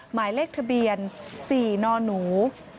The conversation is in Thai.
หมายเลขทะเบียน๔นหนู